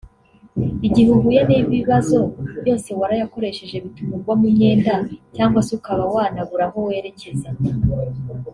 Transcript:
Igihe uhuye n’ibibazo yose warayakoresheje bituma ugwa mu myenda cyangwa se ukaba wanabura aho werekeza